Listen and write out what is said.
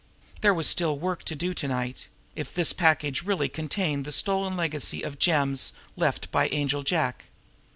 There was still work to do to night if this package really contained the stolen legacy of gems left by Angel Jack.